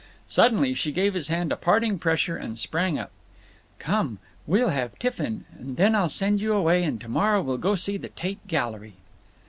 Suddenly she gave his hand a parting pressure and sprang up. "Come. We'll have tiffin, and then I'll send you away, and to morrow we'll go see the Tate Gallery."